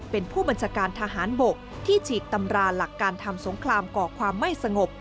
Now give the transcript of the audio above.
เป็นผู้บัญชาการทหารบกที่ฉีกตำราหลักการทำสงครามก่อความไม่สงบ